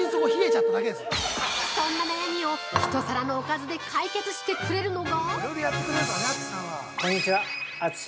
そんな悩みを一皿のおかずで解決してくれるのが？